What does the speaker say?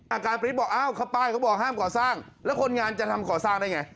อากาศปรี๊ดบอกอ้าวเขาป้ายเขาบอกห้ามก่อสร้างแล้วคนงานจะทำก่อสร้างได้ไง